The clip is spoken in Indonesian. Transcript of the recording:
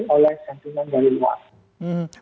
oleh sentimen dari luar